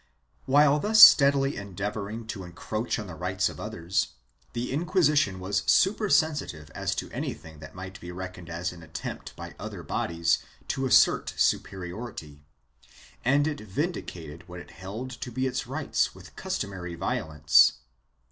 1 While thus steadily endeavoring to encroach on the rights of others, the Inquisition was supersensitive as to anything that might be reckoned as an attempt by other bodies to assert superiority, and it vindicated what it held to be its rights with customary violence.